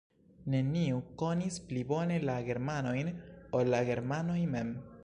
Neniu konis pli bone la germanojn, ol la germanoj mem.